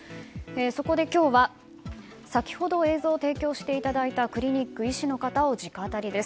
そこで今日は先ほど映像を提供していただいたクリニック医師の方を直アタリです。